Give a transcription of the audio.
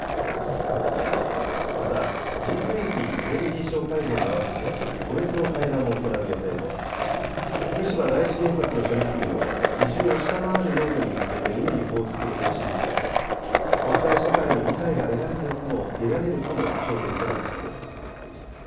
また、Ｇ２０エネルギー相会合に合わせて個別の会談も行う予定で、福島第一原発の処理水を、基準を下回る濃度に薄めて海に放出する方針について、国際社会の理解が得られるかも焦点となりそうです。